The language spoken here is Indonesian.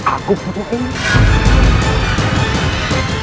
aku punya ini